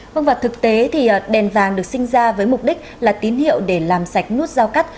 vâng và thực tế thì đèn vàng được sinh ra với mục đích là tín hiệu để làm sạch nút giao cắt